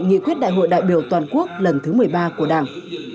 nghị quyết đại hội đại biểu toàn quốc lần thứ một mươi ba của đảng